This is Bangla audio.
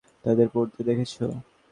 তাদের পড়তে দেখেছো?